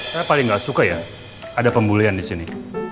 saya paling gak suka ya ada pembulian disini